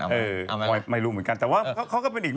เออไม่รู้เหมือนกันแต่ว่าเขาก็เป็นอีก